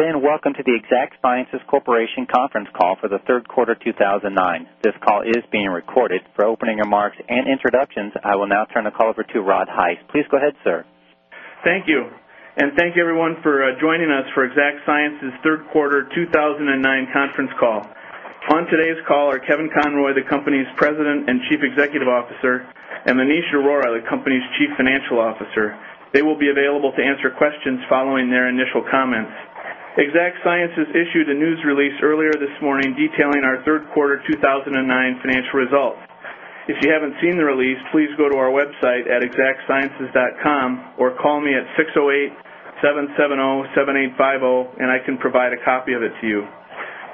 Good day, and Welcome to the Exact Sciences Corporation conference call for the third quarter 2009. This call is being recorded. For opening remarks and introductions, I will now turn the call over to Rod Heiss. Please go ahead, sir. Thank you, and thank you everyone for joining us for Exact Sciences third quarter 2009 conference call. On today's call are Kevin Conroy, the company's President and Chief Executive Officer, and Manish Arora, the company's Chief Financial Officer. They will be available to answer questions following their initial comments. Exact Sciences issued a news release earlier this morning detailing our third quarter 2009 financial results. If you haven't seen the release, please go to our website at exactsciences.com or call me at 608-770-7850, and I can provide a copy of it to you.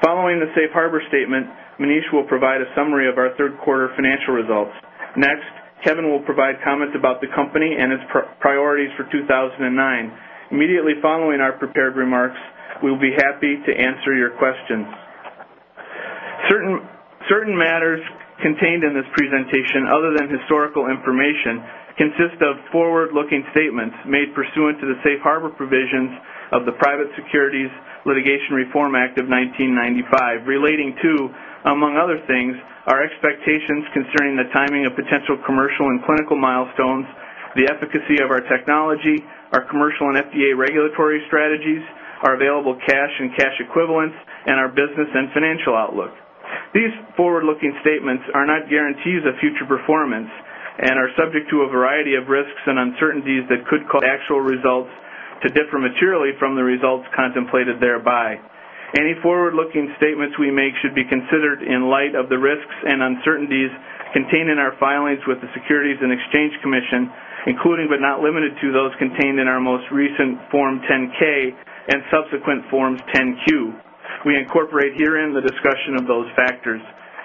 Following the safe harbor statement, Manish will provide a summary of our third quarter financial results. Next, Kevin will provide comments about the company and its priorities for 2009. Immediately following our prepared remarks, we will be happy to answer your questions. Certain matters contained in this presentation, other than historical information, consist of forward-looking statements made pursuant to the safe harbor provisions of the Private Securities Litigation Reform Act of 1995, relating to, among other things, our expectations concerning the timing of potential commercial and clinical milestones, the efficacy of our technology, our commercial and FDA regulatory strategies, our available cash and cash equivalents, and our business and financial outlook. These forward-looking statements are not guarantees of future performance and are subject to a variety of risks and uncertainties that could cause actual results to differ materially from the results contemplated thereby. Any forward-looking statements we make should be considered in light of the risks and uncertainties contained in our filings with the Securities and Exchange Commission, including but not limited to those contained in our most recent Form 10-K and subsequent Form 10-Q. We incorporate herein the discussion of those factors.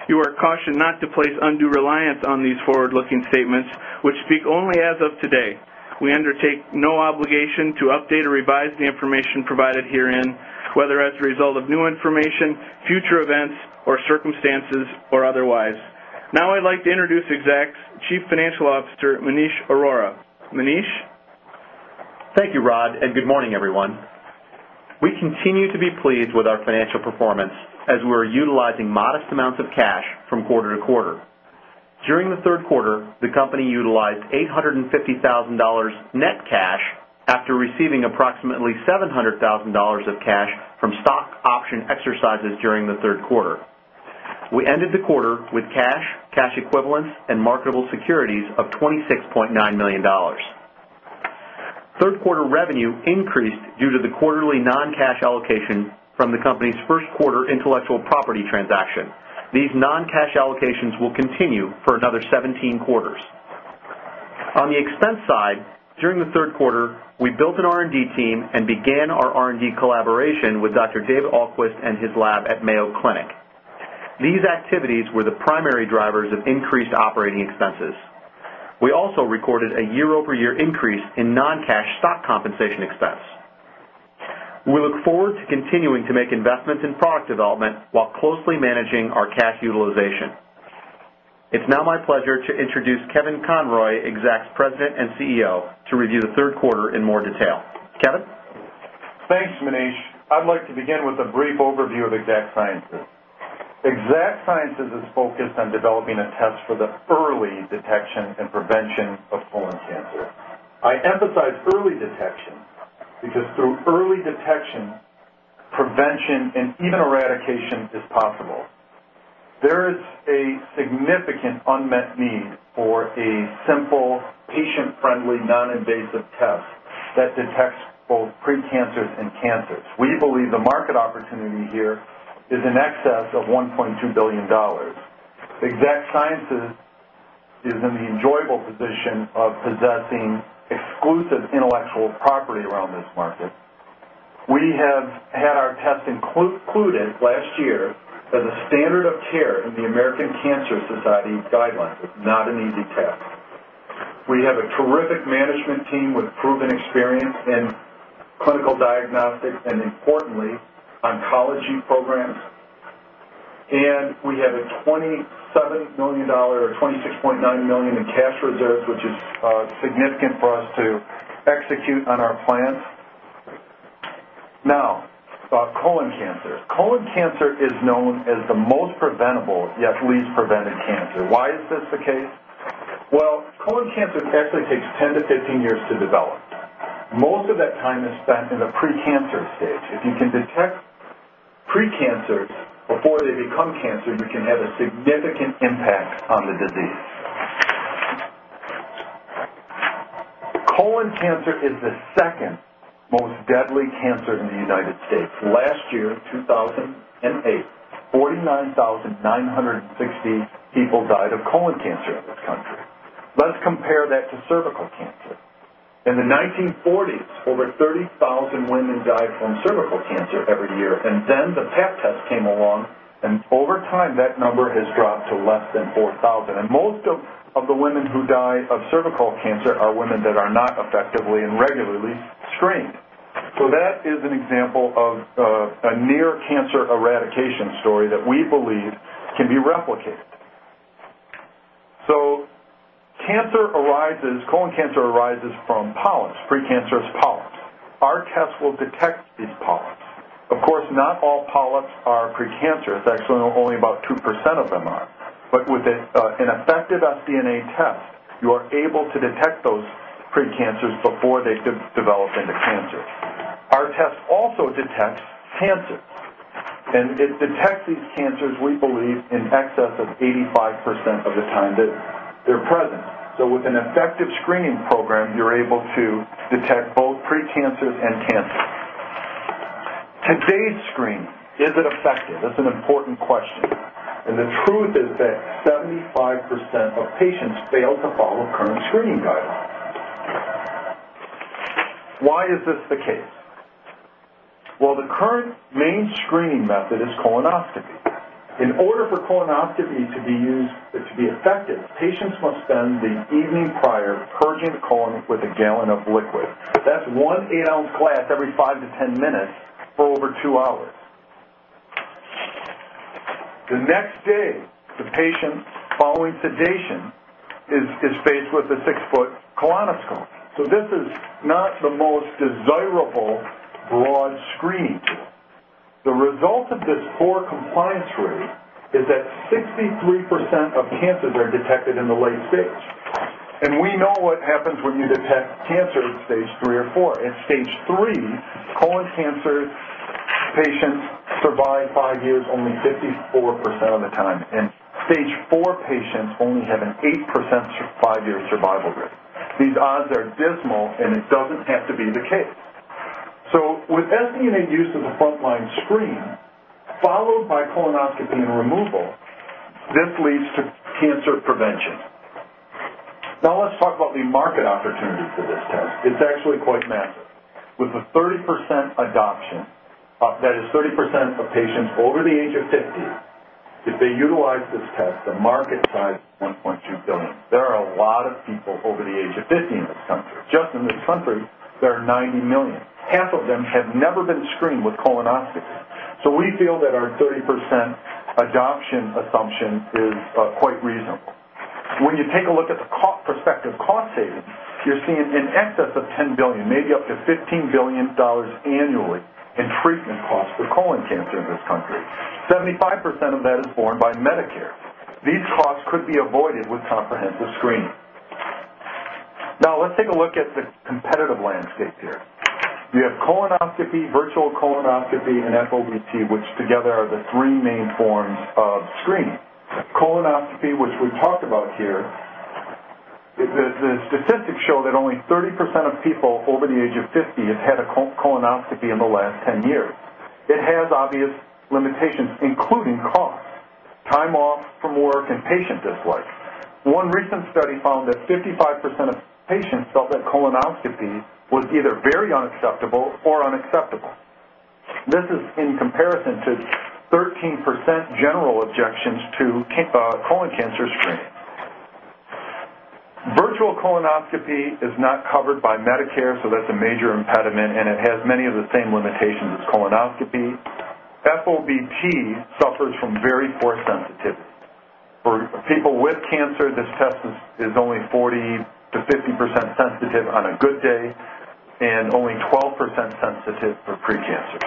You are cautioned not to place undue reliance on these forward-looking statements, which speak only as of today. We undertake no obligation to update or revise the information provided herein, whether as a result of new information, future events, circumstances, or otherwise. Now I'd like to introduce Exact Sciences' Chief Financial Officer, Maneesh Arora. Maneesh? Thank you, Rod, and good morning, everyone. We continue to be pleased with our financial performance as we're utilizing modest amounts of cash from quarter-to-quarter. During the third quarter, the company utilized $850,000 net cash after receiving approximately $700,000 of cash from stock option exercises during the third quarter. We ended the quarter with cash, cash equivalents, and marketable securities of $26.9 million. Third quarter revenue increased due to the quarterly non-cash allocation from the company's first quarter intellectual property transaction. These non-cash allocations will continue for another 17 quarters. On the expense side, during the third quarter, we built an R&D team and began our R&D collaboration with Dr. David Ahlquist and his lab at Mayo Clinic. These activities were the primary drivers of increased operating expenses. We also recorded a year-over-year increase in non-cash stock compensation expense. We look forward to continuing to make investments in product development while closely managing our cash utilization. It's now my pleasure to introduce Kevin Conroy, Exact's President and CEO, to review the third quarter in more detail. Kevin? Thanks, Maneesh. I'd like to begin with a brief overview of Exact Sciences. Exact Sciences is focused on developing a test for the early detection and prevention of colon cancer. I emphasize early detection because through early detection, prevention, and even eradication is possible. There is a significant unmet need for a simple, patient-friendly, non-invasive test that detects both precancers and cancers. We believe the market opportunity here is in excess of $1.2 billion. Exact Sciences is in the enjoyable position of possessing exclusive intellectual property around this market. We have had our test included last year as a standard of care in the American Cancer Society guidelines. It's not an easy test. We have a terrific management team with proven experience in clinical diagnostics and, importantly, oncology programs. We have a $27 million or $26.9 million in cash reserves, which is significant for us to execute on our plans. Now, about colon cancer. Colon cancer is known as the most preventable yet least prevented cancer. Why is this the case? Colon cancer actually takes 10 to 15 years to develop. Most of that time is spent in the precancer stage. If you can detect precancers before they become cancer, you can have a significant impact on the disease. Colon cancer is the second most deadly cancer in the United States. Last year, 2008, 49,960 people died of colon cancer in this country. Let's compare that to cervical cancer. In the 1940s, over 30,000 women died from cervical cancer every year. The Pap test came along, and over time that number has dropped to less than 4,000. Most of the women who die of cervical cancer are women that are not effectively and regularly screened. That is an example of a near-cancer eradication story that we believe can be replicated. Colon cancer arises from polyps. Precancerous polyps. Our test will detect these polyps. Of course, not all polyps are precancerous. Actually, only about 2% of them are. With an effective sDNA test, you are able to detect those precancers before they develop into cancer. Our test also detects cancer. It detects these cancers, we believe, in excess of 85% of the time that they're present. With an effective screening program, you're able to detect both precancers and cancer. Today's screening, is it effective? That's an important question. The truth is that 75% of patients fail to follow current screening guidelines. Why is this the case? The current main screening method is colonoscopy. In order for colonoscopy to be effective, patients must spend the evening prior purging the colon with a gallon of liquid. That is one eight-ounce glass every 5 to 10 minutes for over two hours. The next day, the patient following sedation is faced with a six-foot colonoscope. This is not the most desirable broad screening tool. The result of this poor compliance rate is that 63% of cancers are detected in the late stage. We know what happens when you detect cancer at stage three or four. At stage three, colon cancer patients survive five years only 54% of the time. Stage four patients only have an 8% five-year survival rate. These odds are dismal, and it does not have to be the case. With sDNA use as the frontline screen followed by colonoscopy and removal, this leads to cancer prevention. Now let's talk about the market opportunity for this test. It's actually quite massive. With a 30% adoption, that is 30% of patients over the age of 50, if they utilize this test, the market size is $1.2 billion. There are a lot of people over the age of 50 in this country. Just in this country, there are 90 million. Half of them have never been screened with colonoscopy. We feel that our 30% adoption assumption is quite reasonable. When you take a look at the prospective cost savings, you're seeing in excess of $10 billion, maybe up to $15 billion annually in treatment costs for colon cancer in this country. 75% of that is borne by Medicare. These costs could be avoided with comprehensive screening. Now let's take a look at the competitive landscape here. You have colonoscopy, virtual colonoscopy, and FOBT, which together are the three main forms of screening. Colonoscopy, which we talked about here, the statistics show that only 30% of people over the age of 50 have had a colonoscopy in the last 10 years. It has obvious limitations, including cost, time off from work, and patient dislike. One recent study found that 55% of patients felt that colonoscopy was either very unacceptable or unacceptable. This is in comparison to 13% general objections to colon cancer screening. Virtual colonoscopy is not covered by Medicare, so that's a major impediment, and it has many of the same limitations as colonoscopy. FOBT suffers from very poor sensitivity. For people with cancer, this test is only 40-50% sensitive on a good day and only 12% sensitive for precancer.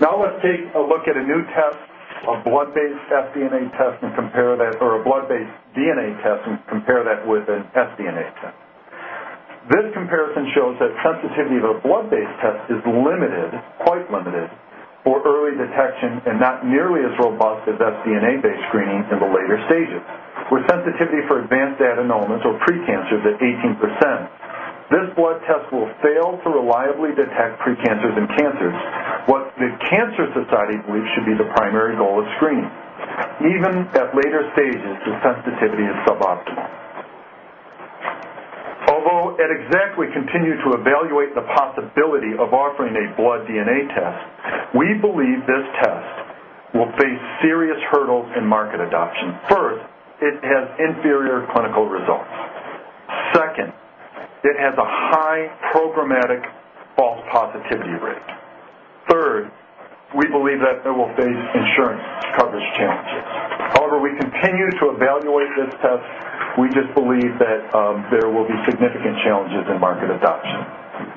Now let's take a look at a new test, a blood-based sDNA test, and compare that, or a blood-based DNA test, and compare that with an sDNA test. This comparison shows that sensitivity of a blood-based test is limited, quite limited, for early detection and not nearly as robust as sDNA-based screening in the later stages, with sensitivity for advanced adenomas or precancers at 18%. This blood test will fail to reliably detect precancers and cancers, what the Cancer Society believes should be the primary goal of screening. Even at later stages, the sensitivity is suboptimal. Although at Exact we continue to evaluate the possibility of offering a blood DNA test, we believe this test will face serious hurdles in market adoption. First, it has inferior clinical results. Second, it has a high programmatic false positivity rate. Third, we believe that it will face insurance coverage challenges. However, we continue to evaluate this test. We just believe that there will be significant challenges in market adoption.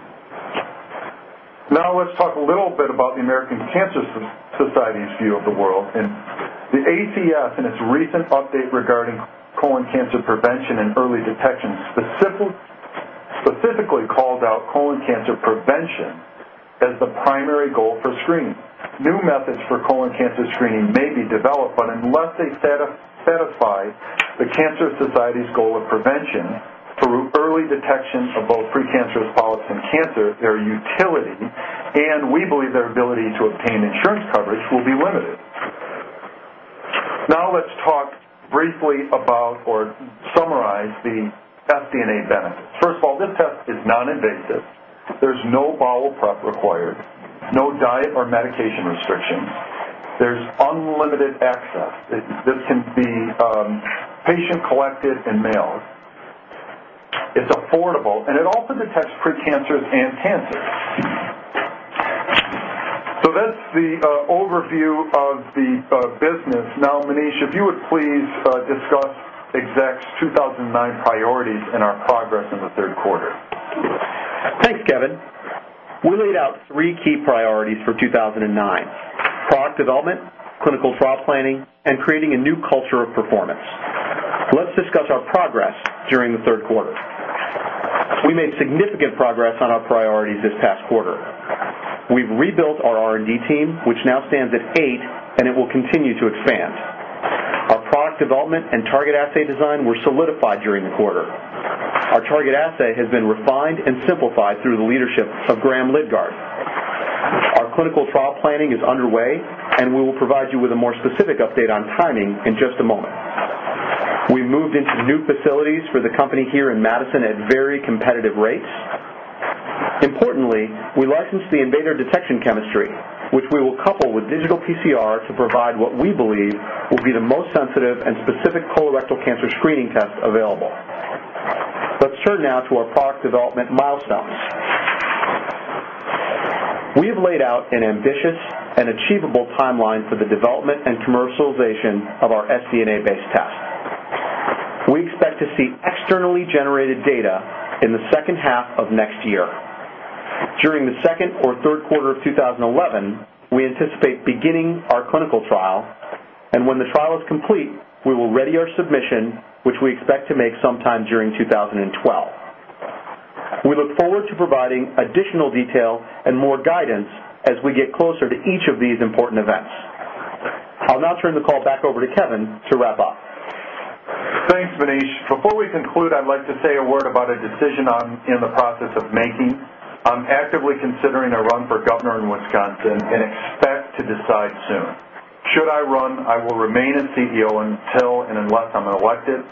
Now let's talk a little bit about the American Cancer Society's view of the world. The ACS, in its recent update regarding colon cancer prevention and early detection, specifically calls out colon cancer prevention as the primary goal for screening. New methods for colon cancer screening may be developed, but unless they satisfy the Cancer Society's goal of prevention through early detection of both precancerous polyps and cancer, their utility and, we believe, their ability to obtain insurance coverage will be limited. Now let's talk briefly about or summarize the sDNA benefits. First of all, this test is non-invasive. There's no bowel prep required, no diet or medication restrictions. There's unlimited access. This can be patient-collected and mailed. It's affordable, and it also detects precancers and cancers. That's the overview of the business. Now, Manish, if you would please discuss Exact's 2009 priorities and our progress in the third quarter. Thanks, Kevin. We laid out three key priorities for 2009: product development, clinical trial planning, and creating a new culture of performance. Let's discuss our progress during the third quarter. We made significant progress on our priorities this past quarter. We've rebuilt our R&D team, which now stands at eight, and it will continue to expand. Our product development and target assay design were solidified during the quarter. Our target assay has been refined and simplified through the leadership of Graham Lidgard. Our clinical trial planning is underway, and we will provide you with a more specific update on timing in just a moment. We moved into new facilities for the company here in Madison at very competitive rates. Importantly, we licensed the Invader Detection Chemistry, which we will couple with digital PCR to provide what we believe will be the most sensitive and specific colorectal cancer screening test available. Let's turn now to our product development milestones. We have laid out an ambitious and achievable timeline for the development and commercialization of our sDNA-based test. We expect to see externally generated data in the second half of next year. During the second or third quarter of 2011, we anticipate beginning our clinical trial, and when the trial is complete, we will ready our submission, which we expect to make sometime during 2012. We look forward to providing additional detail and more guidance as we get closer to each of these important events. I'll now turn the call back over to Kevin to wrap up. Thanks, Manish. Before we conclude, I'd like to say a word about a decision I'm in the process of making. I'm actively considering a run for governor in Wisconsin and expect to decide soon. Should I run, I will remain CEO until and unless I'm elected.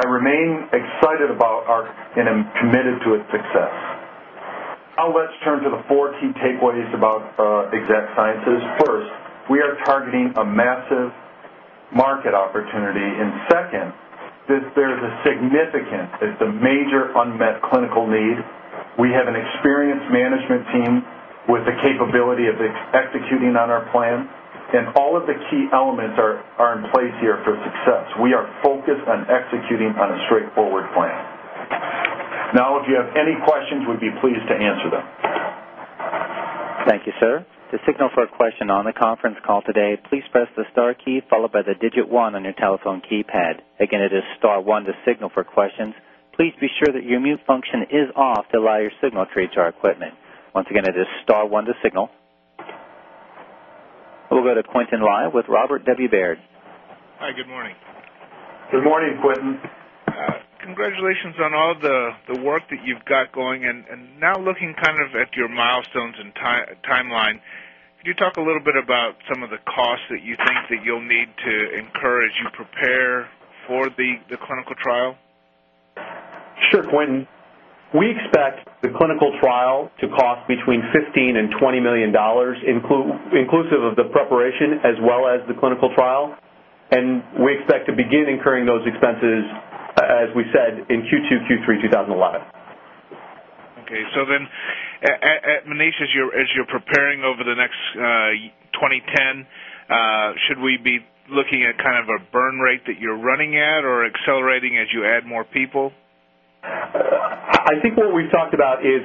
I remain excited about our company and I'm committed to its success. Now let's turn to the four key takeaways about Exact Sciences. First, we are targeting a massive market opportunity. Second, there's a significant—it's a major unmet clinical need. We have an experienced management team with the capability of executing on our plan, and all of the key elements are in place here for success. We are focused on executing on a straightforward plan. Now, if you have any questions, we'd be pleased to answer them. Thank you, sir. To signal for a question on the conference call today, please press the star key followed by the digit one on your telephone keypad. Again, it is star one to signal for questions. Please be sure that your mute function is off to allow your signal to reach our equipment. Once again, it is star one to signal. We'll go to Quinton Yoder with Robert W. Baird. Hi, good morning. Good morning, Quinton. Congratulations on all the work that you've got going. Now looking kind of at your milestones and timeline, could you talk a little bit about some of the costs that you think that you'll need to incur as you prepare for the clinical trial? Sure, Quinton. We expect the clinical trial to cost between $15 million and $20 million, inclusive of the preparation as well as the clinical trial. We expect to begin incurring those expenses, as we said, in Q2, Q3 2011. Okay. So then, Manish, as you're preparing over the next 2010, should we be looking at kind of a burn rate that you're running at or accelerating as you add more people? I think what we've talked about is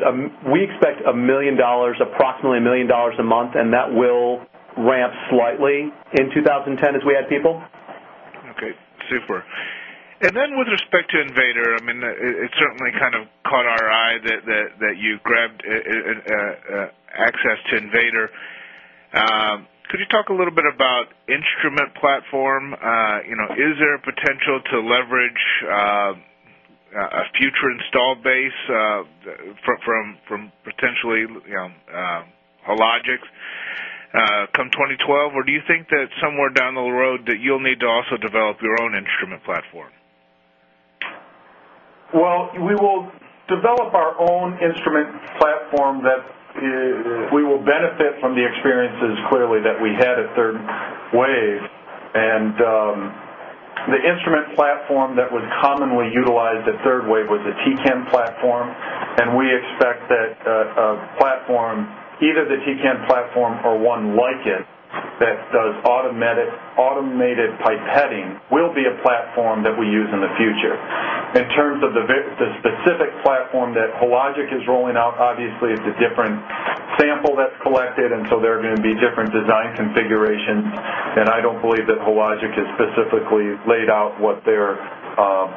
we expect approximately $1 million a month, and that will ramp slightly in 2010 as we add people. Okay. Super. With respect to Invader, I mean, it certainly kind of caught our eye that you grabbed access to Invader. Could you talk a little bit about instrument platform? Is there a potential to leverage a future install base from potentially Hologic come 2012? Or do you think that somewhere down the road that you'll need to also develop your own instrument platform? We will develop our own instrument platform that we will benefit from the experiences clearly that we had at Third Wave. The instrument platform that was commonly utilized at Third Wave was a TCAN platform. We expect that a platform, either the TCAN platform or one like it that does automated pipetting, will be a platform that we use in the future. In terms of the specific platform that Hologic is rolling out, obviously, it is a different sample that is collected, and so there are going to be different design configurations. I do not believe that Hologic has specifically laid out what their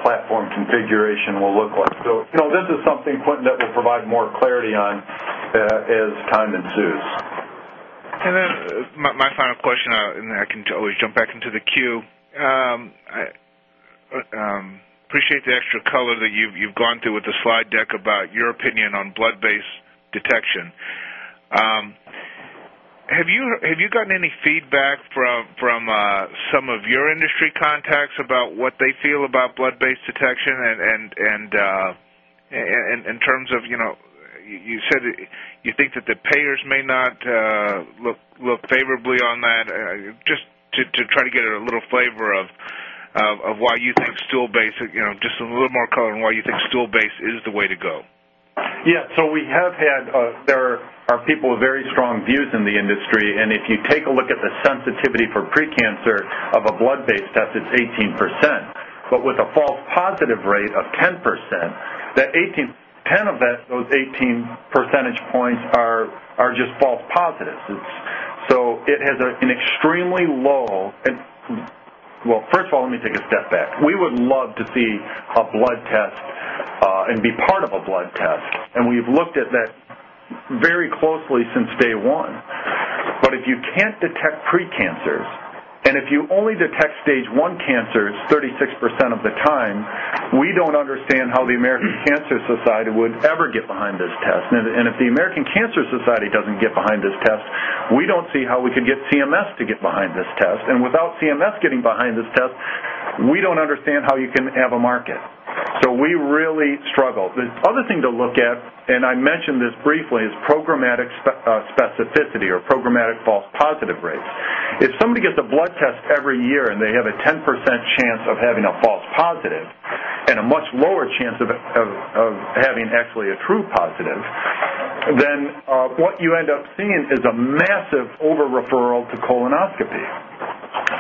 platform configuration will look like. This is something, Quinton, that we will provide more clarity on as time ensues. My final question, and I can always jump back into the queue. I appreciate the extra color that you've gone through with the slide deck about your opinion on blood-based detection. Have you gotten any feedback from some of your industry contacts about what they feel about blood-based detection? In terms of you said you think that the payers may not look favorably on that, just to try to get a little flavor of why you think stool-based, just a little more color on why you think stool-based is the way to go. Yeah. So we have had, there are people with very strong views in the industry. If you take a look at the sensitivity for precancer of a blood-based test, it's 18%. With a false positive rate of 10%, that 18%, 10 of those 18 percentage points are just false positives. It has an extremely low—first of all, let me take a step back. We would love to see a blood test and be part of a blood test. We've looked at that very closely since day one. If you can't detect precancers, and if you only detect stage one cancers 36% of the time, we don't understand how the American Cancer Society would ever get behind this test. If the American Cancer Society doesn't get behind this test, we don't see how we could get CMS to get behind this test. Without CMS getting behind this test, we do not understand how you can have a market. We really struggle. The other thing to look at, and I mentioned this briefly, is programmatic specificity or programmatic false positive rates. If somebody gets a blood test every year and they have a 10% chance of having a false positive and a much lower chance of having actually a true positive, what you end up seeing is a massive over-referral to colonoscopy.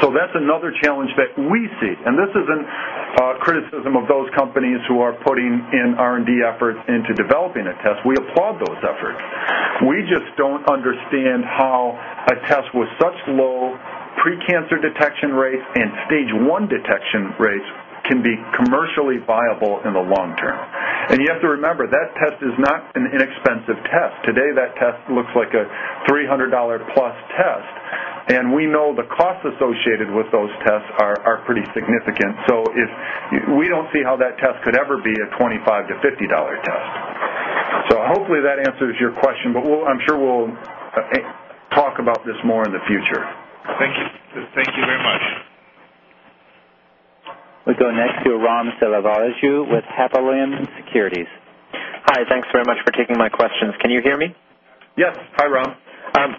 That is another challenge that we see. This is not a criticism of those companies who are putting in R&D efforts into developing a test. We applaud those efforts. We just do not understand how a test with such low precancer detection rates and stage one detection rates can be commercially viable in the long term. You have to remember, that test is not an inexpensive test. Today, that test looks like a $300+ test. And we know the costs associated with those tests are pretty significant. We do not see how that test could ever be a $25-$50 test. Hopefully that answers your question, but I am sure we will talk about this more in the future. Thank you. Thank you very much. We'll go next to Ram Selvaraju with H.C. Wainwright & Co. Hi. Thanks very much for taking my questions. Can you hear me? Yes. Hi, Ram.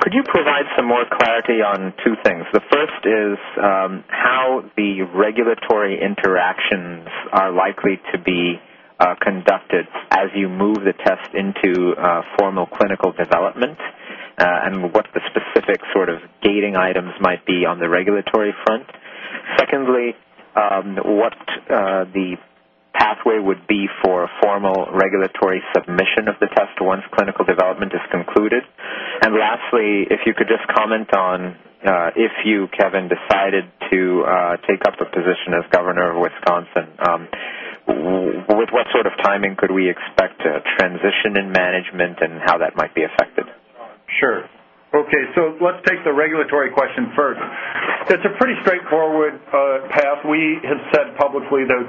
Could you provide some more clarity on two things? The first is how the regulatory interactions are likely to be conducted as you move the test into formal clinical development and what the specific sort of gating items might be on the regulatory front. Secondly, what the pathway would be for formal regulatory submission of the test once clinical development is concluded. Lastly, if you could just comment on if you, Kevin, decided to take up a position as governor of Wisconsin, with what sort of timing could we expect a transition in management and how that might be affected? Sure. Okay. Let's take the regulatory question first. It's a pretty straightforward path. We have said publicly that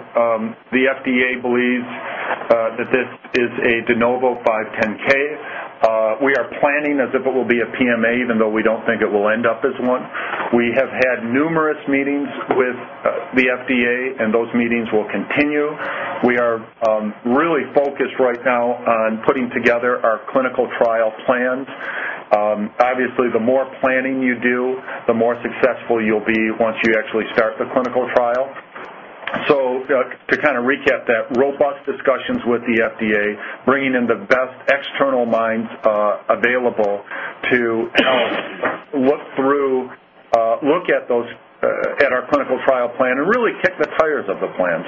the FDA believes that this is a de novo 510(k). We are planning as if it will be a PMA, even though we don't think it will end up as one. We have had numerous meetings with the FDA, and those meetings will continue. We are really focused right now on putting together our clinical trial plans. Obviously, the more planning you do, the more successful you'll be once you actually start the clinical trial. To kind of recap that, robust discussions with the FDA, bringing in the best external minds available to help look at our clinical trial plan and really kick the tires of the plan.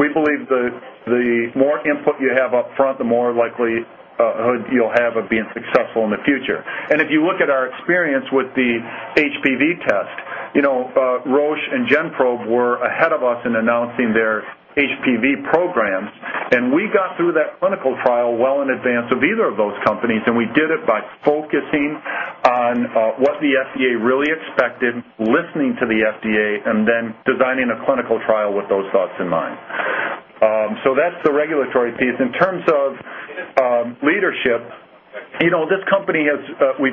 We believe the more input you have upfront, the more likelihood you'll have of being successful in the future. If you look at our experience with the HPV test, Roche and Gen-Probe were ahead of us in announcing their HPV programs. We got through that clinical trial well in advance of either of those companies. We did it by focusing on what the FDA really expected, listening to the FDA, and then designing a clinical trial with those thoughts in mind. That is the regulatory piece. In terms of leadership, this company has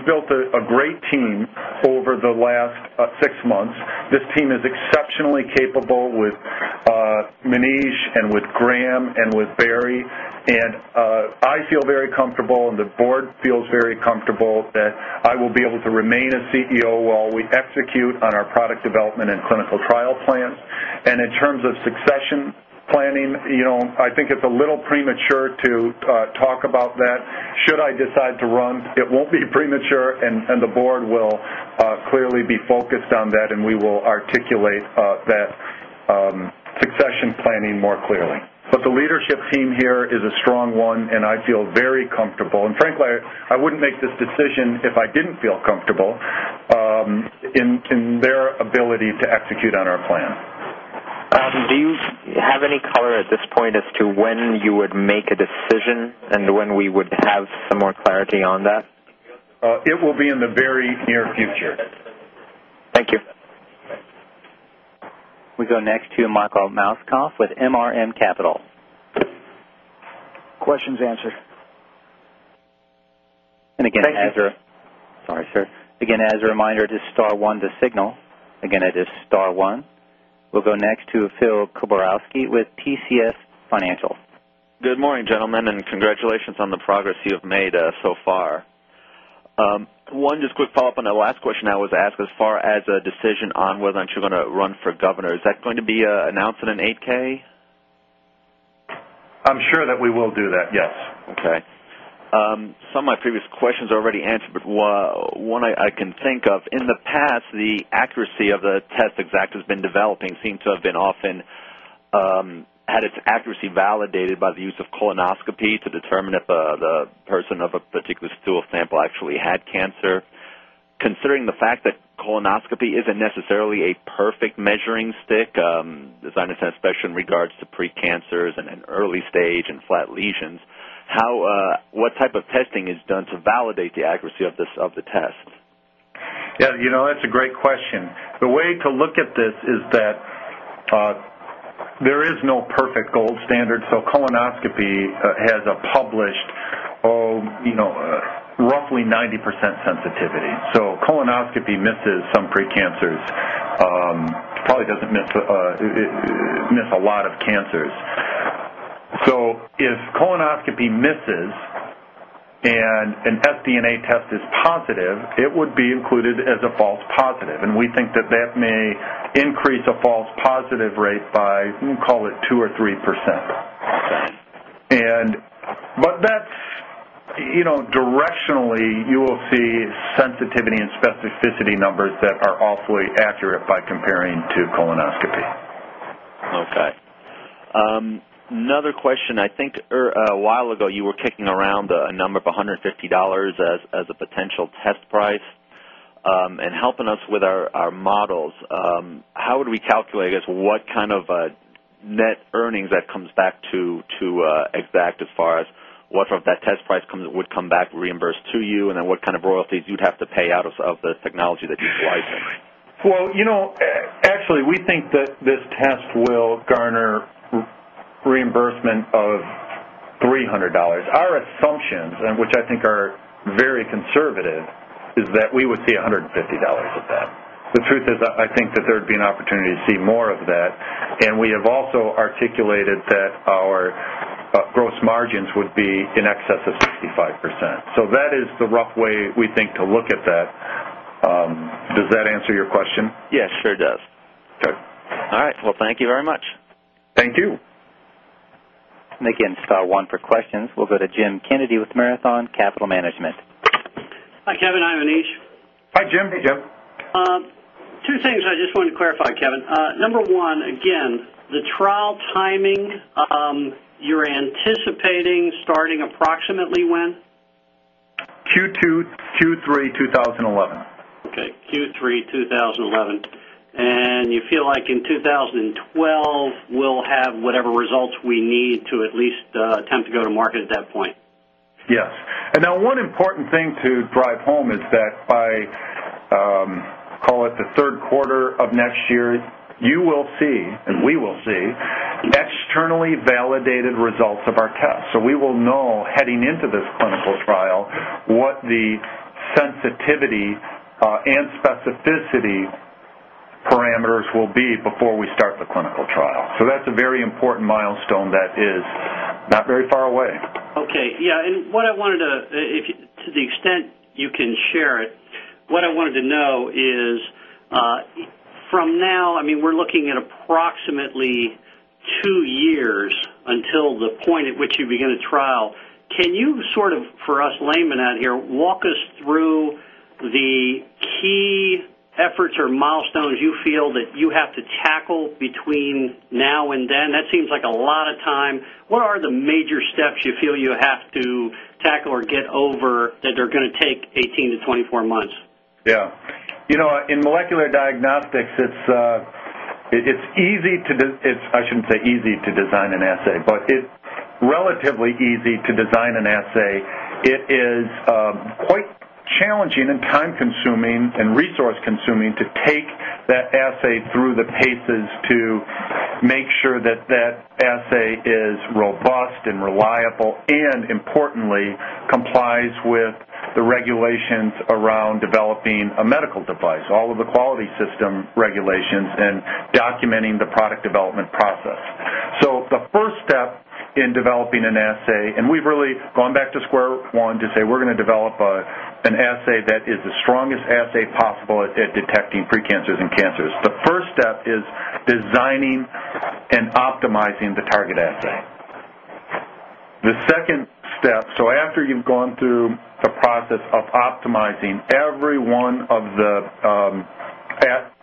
built a great team over the last six months. This team is exceptionally capable with Manish and with Graham and with Barry. I feel very comfortable, and the board feels very comfortable that I will be able to remain CEO while we execute on our product development and clinical trial plans. In terms of succession planning, I think it is a little premature to talk about that. Should I decide to run, it won't be premature, and the board will clearly be focused on that, and we will articulate that succession planning more clearly. The leadership team here is a strong one, and I feel very comfortable. Frankly, I wouldn't make this decision if I didn't feel comfortable in their ability to execute on our plan. Do you have any color at this point as to when you would make a decision and when we would have some more clarity on that? It will be in the very near future. Thank you. We'll go next to Michael Mouskoff with MRM Capital. Questions answered. Again, as a— Thank you, sir. Sorry, sir. Again, as a reminder, it is star one to signal. Again, it is star one. We'll go next to Phil Kubikowski with PCS Financial. Good morning, gentlemen, and congratulations on the progress you have made so far. One, just a quick follow-up on the last question I was asked as far as a decision on whether or not you're going to run for governor. Is that going to be announced in an 8K? I'm sure that we will do that, yes. Okay. Some of my previous questions are already answered, but one I can think of. In the past, the accuracy of the tests Exact has been developing seemed to have often had its accuracy validated by the use of colonoscopy to determine if the person of a particular stool sample actually had cancer. Considering the fact that colonoscopy is not necessarily a perfect measuring stick, as I understand, especially in regards to precancers and early stage and flat lesions, what type of testing is done to validate the accuracy of the test? Yeah. That's a great question. The way to look at this is that there is no perfect gold standard. Colonoscopy has a published roughly 90% sensitivity. Colonoscopy misses some precancers. It probably doesn't miss a lot of cancers. If colonoscopy misses and an sDNA test is positive, it would be included as a false positive. We think that that may increase a false positive rate by, we'll call it, 2 or 3%. That's directionally, you will see sensitivity and specificity numbers that are awfully accurate by comparing to colonoscopy. Okay. Another question. I think a while ago, you were kicking around a number of $150 as a potential test price. Helping us with our models, how would we calculate what kind of net earnings that comes back to Exact as far as what of that test price would come back reimbursed to you? What kind of royalties you'd have to pay out of the technology that you're utilizing? Actually, we think that this test will garner reimbursement of $300. Our assumptions, which I think are very conservative, is that we would see $150 of that. The truth is, I think that there would be an opportunity to see more of that. We have also articulated that our gross margins would be in excess of 65%. That is the rough way we think to look at that. Does that answer your question? Yes, sure does. Good. All right. Thank you very much. Thank you. Again, star one for questions. We'll go to Jim Kennedy with Marathon Capital Management. Hi, Kevin. Hi, Manish. Hi, Jim. Two things I just wanted to clarify, Kevin. Number one, again, the trial timing, you're anticipating starting approximately when? Q2, Q3, 2011. Okay. Q3, 2011. And you feel like in 2012, we'll have whatever results we need to at least attempt to go to market at that point? Yes. One important thing to drive home is that by, call it the third quarter of next year, you will see, and we will see, externally validated results of our tests. We will know heading into this clinical trial what the sensitivity and specificity parameters will be before we start the clinical trial. That is a very important milestone that is not very far away. Okay. Yeah. What I wanted to—to the extent you can share it, what I wanted to know is from now, I mean, we're looking at approximately two years until the point at which you begin a trial. Can you sort of, for us layman out here, walk us through the key efforts or milestones you feel that you have to tackle between now and then? That seems like a lot of time. What are the major steps you feel you have to tackle or get over that are going to take 18 to 24 months? Yeah. In molecular diagnostics, it's easy to—I shouldn't say easy to design an assay, but it's relatively easy to design an assay. It is quite challenging and time-consuming and resource-consuming to take that assay through the paces to make sure that that assay is robust and reliable and, importantly, complies with the regulations around developing a medical device, all of the quality system regulations, and documenting the product development process. The first step in developing an assay—and we've really gone back to square one to say we're going to develop an assay that is the strongest assay possible at detecting precancers and cancers—the first step is designing and optimizing the target assay. The second step, after you've gone through the process of optimizing every one of the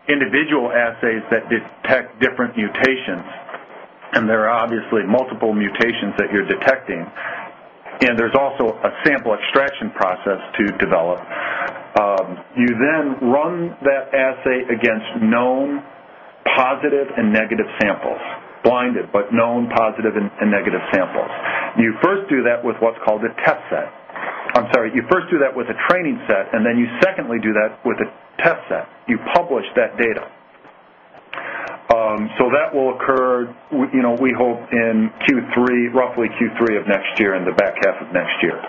individual assays that detect different mutations, and there are obviously multiple mutations that you're detecting, and there's also a sample extraction process to develop, you then run that assay against known positive and negative samples, blinded, but known positive and negative samples. You first do that with what's called a training set, and then you secondly do that with a test set. You publish that data. That will occur, we hope, in roughly Q3 of next year and the back half of next year.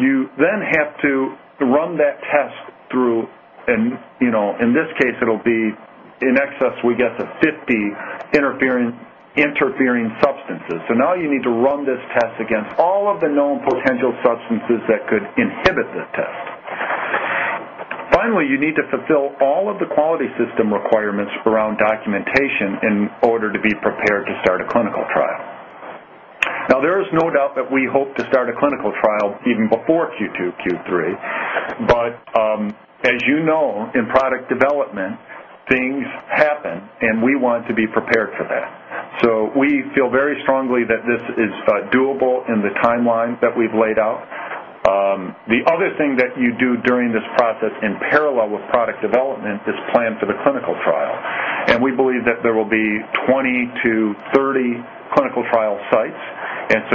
You then have to run that test through, and in this case, it'll be in excess, we guess, of 50 interfering substances. Now you need to run this test against all of the known potential substances that could inhibit the test. Finally, you need to fulfill all of the quality system requirements around documentation in order to be prepared to start a clinical trial. There is no doubt that we hope to start a clinical trial even before Q2, Q3. As you know, in product development, things happen, and we want to be prepared for that. We feel very strongly that this is doable in the timeline that we have laid out. The other thing that you do during this process in parallel with product development is plan for the clinical trial. We believe that there will be 20-30 clinical trial sites.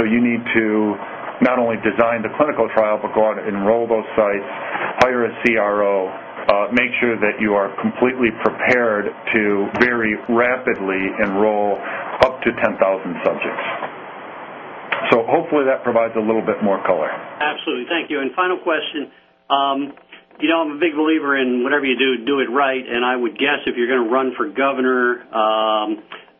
You need to not only design the clinical trial but go out and enroll those sites, hire a CRO, make sure that you are completely prepared to very rapidly enroll up to 10,000 subjects. Hopefully, that provides a little bit more color. Absolutely. Thank you. Final question. I'm a big believer in whatever you do, do it right. I would guess if you're going to run for governor,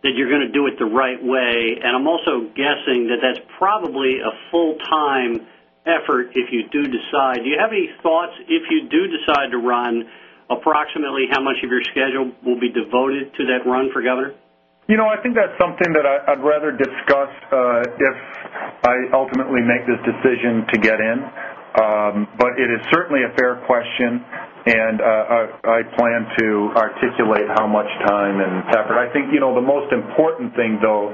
that you're going to do it the right way. I'm also guessing that that's probably a full-time effort if you do decide. Do you have any thoughts if you do decide to run, approximately how much of your schedule will be devoted to that run for governor? I think that's something that I'd rather discuss if I ultimately make this decision to get in. It is certainly a fair question, and I plan to articulate how much time and effort. I think the most important thing, though,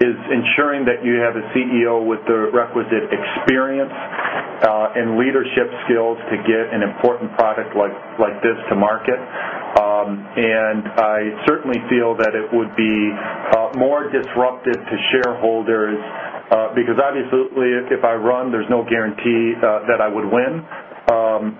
is ensuring that you have a CEO with the requisite experience and leadership skills to get an important product like this to market. I certainly feel that it would be more disruptive to shareholders because, obviously, if I run, there's no guarantee that I would win.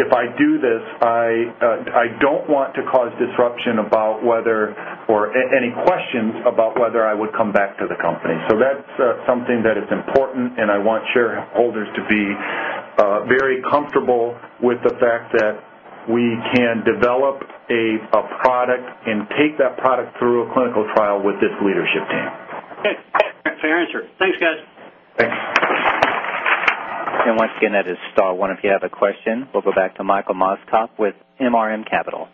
If I do this, I don't want to cause disruption about whether or any questions about whether I would come back to the company. That's something that is important, and I want shareholders to be very comfortable with the fact that we can develop a product and take that product through a clinical trial with this leadership team. Good. Fair answer. Thanks, guys. Thanks. Once again, that is star one. If you have a question, we'll go back to Michael Mouskoff with MRM Capital.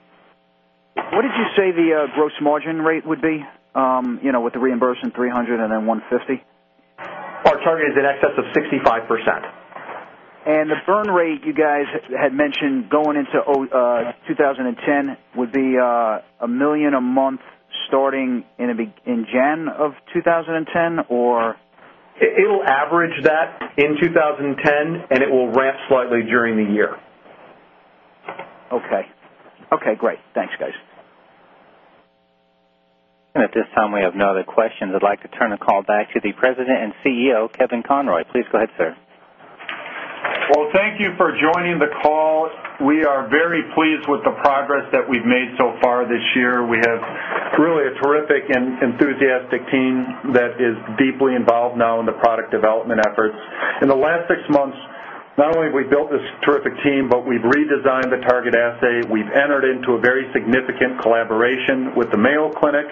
What did you say the gross margin rate would be with the reimbursement, $300 and then $150? Our target is in excess of 65%. The burn rate you guys had mentioned going into 2010 would be $1 million a month starting in January of 2010, or? It'll average that in 2010, and it will ramp slightly during the year. Okay. Okay. Great. Thanks, guys. At this time, we have no other questions. I would like to turn the call back to the President and CEO, Kevin Conroy. Please go ahead, sir. Thank you for joining the call. We are very pleased with the progress that we've made so far this year. We have really a terrific and enthusiastic team that is deeply involved now in the product development efforts. In the last six months, not only have we built this terrific team, but we've redesigned the target assay. We've entered into a very significant collaboration with the Mayo Clinic.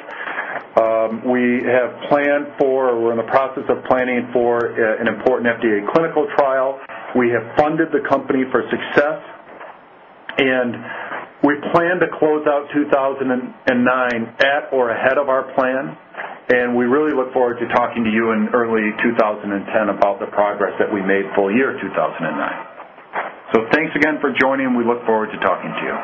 We have planned for, or we're in the process of planning for, an important FDA clinical trial. We have funded the company for success, and we plan to close out 2009 at or ahead of our plan. We really look forward to talking to you in early 2010 about the progress that we made full year 2009. Thanks again for joining, and we look forward to talking to you.